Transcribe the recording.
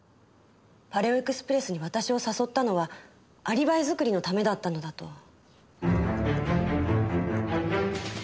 パレオエクスプレスに私を誘ったのはアリバイ作りのためだったのだと。